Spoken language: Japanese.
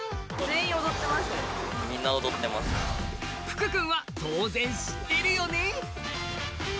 福くんは当然知ってるよね？